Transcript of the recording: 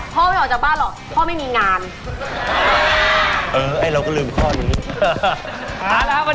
ขอบคุณมากค่ะ